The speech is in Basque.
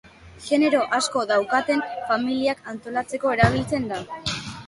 Genero asko daukaten familiak antolatzeko erabiltzen da.